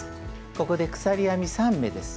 ここで鎖編み３目です。